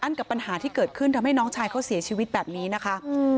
กับปัญหาที่เกิดขึ้นทำให้น้องชายเขาเสียชีวิตแบบนี้นะคะ